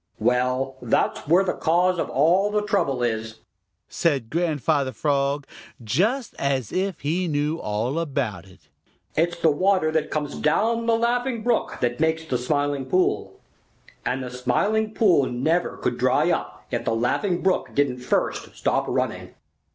"Well, that's where the cause of all the trouble is," said Grandfather Frog, just as if he knew all about it. "It's the water that comes down the Laughing Brook that makes the Smiling Pool, and the Smiling Pool never could dry up if the Laughing Brook didn't first stop running."